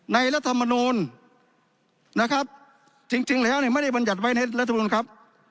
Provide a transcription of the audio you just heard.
รัฐมนูลนะครับจริงแล้วเนี่ยไม่ได้บรรยัติไว้ในรัฐมนุนครับ